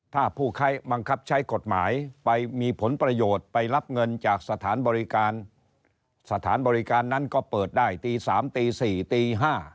ถ้าผู้ใช้บังคับใช้กฎหมายไปมีผลประโยชน์ไปรับเงินจากสถานบริการสถานบริการนั้นก็เปิดได้ตี๓ตี๔ตี๕